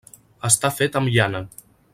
Està fet amb llana.